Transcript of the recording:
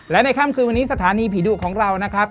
และในค่ำคืนวันนี้สถานีผีดุของเรานะครับ